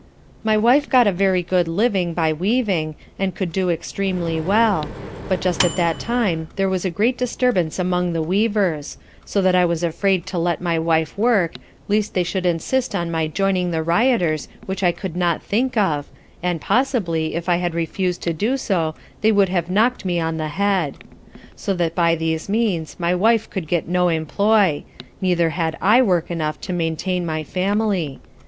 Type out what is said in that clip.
My wife got a very good living by weaving, and could do extremely well; but just at that time there was great disturbance among the weavers; so that I was afraid to let my wife work, least they should insist on my joining the rioters which I could not think of, and, possibly, if I had refused to do so they would have knock'd me on the head. So that by these means my wife could get no employ, neither had I work enough to maintain my family.